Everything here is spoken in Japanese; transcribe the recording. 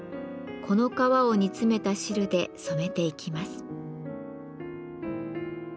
この皮を煮詰めた汁で染めていきます。